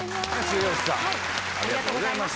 ありがとうございます。